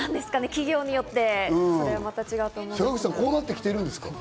企業によって違うと思いますけど。